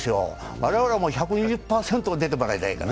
我々はもう１２０％出てもらいたいから。